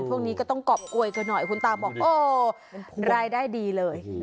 ช่วงนี้ก็ต้องกรอบกวยกันหน่อยคุณตาบอกโอ้รายได้ดีเลย